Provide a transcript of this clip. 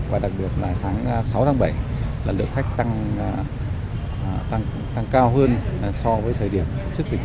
và đặc biệt là tháng sáu tháng bảy là lượng khách tăng cao hơn so với thời điểm trước dịch